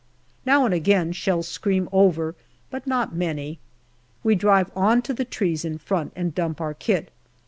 Now and again shells scream over, but not many. We drive on to the trees in front, and dump our kit.